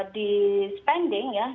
di spending ya